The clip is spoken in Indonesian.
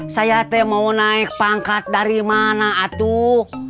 saya teh mau naik pangkat dari mana aduk